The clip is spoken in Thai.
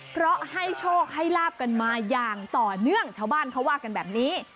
เพราะให้โชคให้ลาบกันมาอย่างต่อเนื่องชาวบ้านเขาว่ากันแบบนี้